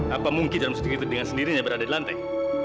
apa mungkin dalam syuting itu dengan sendirinya berada di lantai